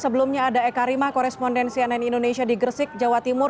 sebelumnya ada eka rima korespondensi ann indonesia di gresik jawa timur